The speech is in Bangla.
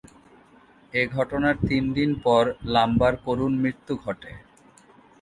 এ ঘটনার তিনদিন পর লাম্বা’র করুণ মৃত্যু ঘটে।